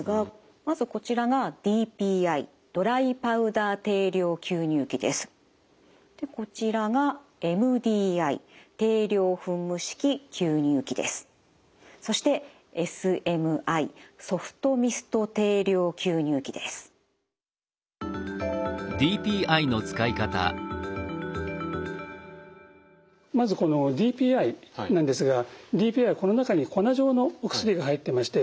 まずこちらがでこちらがそしてまずこのＤＰＩなんですがＤＰＩはこの中に粉状のお薬が入ってまして。